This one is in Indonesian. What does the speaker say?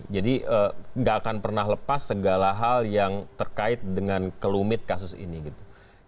nggak akan pernah lepas segala hal yang terkait dengan kelumit kasus ini gitu